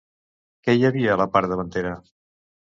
Què hi havia a la part davantera?